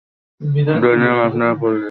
ধরে নিলাম আপনারা পুলিশ।